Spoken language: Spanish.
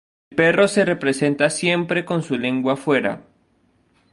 El perro se representa siempre con su lengua fuera.